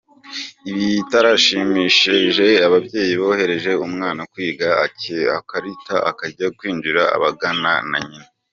Ibitarashimishije ababyeyi bohereje umwana kwiga, akarita, akajya kwinjira abangana na nyina.